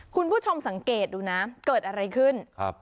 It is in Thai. คุณผู้ชมสังเกตดูนะเกิดอะไรขึ้นครับ